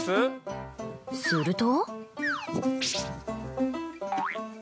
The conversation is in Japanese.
すると。